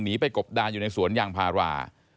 หนีไปกบดานอยู่ในสวนยางพารา